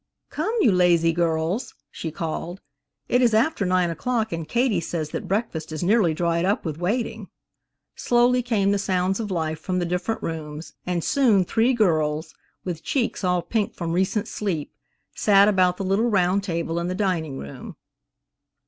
"Come, you lazy girls," she called, "it is after nine o'clock and Katie says that breakfast is nearly dried up with waiting." Slowly came the sounds of life from the different rooms, and soon three girls, with cheeks all pink from recent sleep, sat about the little round table in the dining room.